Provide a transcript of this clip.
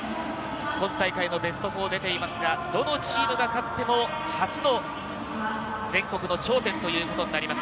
今大会のベスト４出ていますが、どのチームが勝っても初の全国の頂点ということになります。